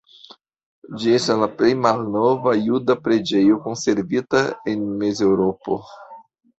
Ĝi estas la plej malnova juda preĝejo konservita en Mezeŭropo.